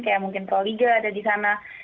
kayak mungkin proliga ada di sana